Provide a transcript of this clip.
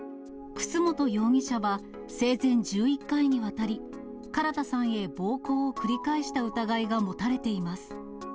楠本容疑者は生前１１回にわたり、唐田さんへ暴行を繰り返した疑いが持たれています。